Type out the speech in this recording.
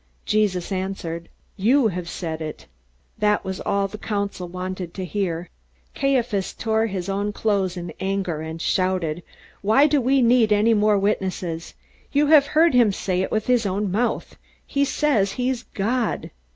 Jesus answered: "You have said it." That was all the council wanted to hear. Caiaphas tore his own clothes in anger, and shouted: "Why do we need any more witnesses? You have heard him say it with his own mouth. He says he's God!